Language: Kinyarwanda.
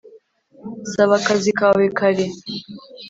saba akazi kawe kare